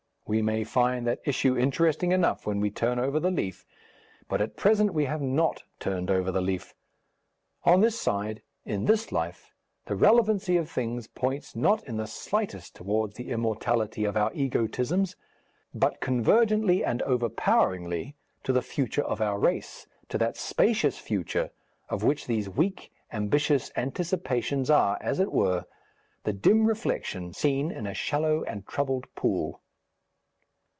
We may find that issue interesting enough when we turn over the leaf, but at present we have not turned over the leaf. On this side, in this life, the relevancy of things points not in the slightest towards the immortality of our egotisms, but convergently and overpoweringly to the future of our race, to that spacious future, of which these weak, ambitious Anticipations are, as it were, the dim reflection seen in a shallow and troubled pool.